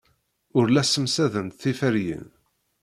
Ur la ssemsadent tiferyin.